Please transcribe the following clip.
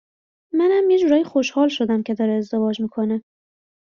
منم یه جورایی خوشحال شدم که داره ازدواج می کنه